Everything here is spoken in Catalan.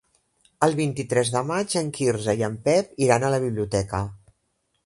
El vint-i-tres de maig en Quirze i en Pep iran a la biblioteca.